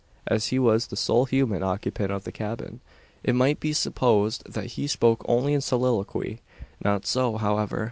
As he was the sole human occupant of the cabin, it might be supposed that he spoke only in soliloquy. Not so, however.